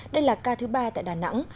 đây là ca thứ ba tại đà nẵng